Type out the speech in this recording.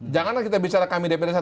janganlah kita bicara kami dpd satu